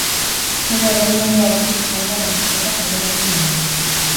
Bere errendimendua hobetuz joan da lasterketak aurrera egin ahala.